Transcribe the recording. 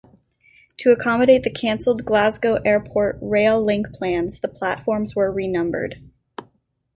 To accommodate the cancelled Glasgow Airport Rail Link plans, the platforms were renumbered.